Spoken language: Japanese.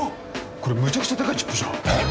これむちゃくちゃ高いチップじゃんえっ！？